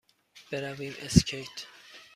برویم اسکیت؟